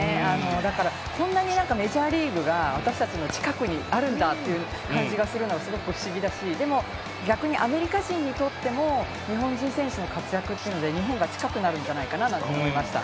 だからこんなにメジャーリーグが私達の近くにあるんだという感じがするのはすごく不思議だし、でも逆にアメリカ人にとっても日本人選手の活躍というので日本が近くなるんじゃないかななんて思いました。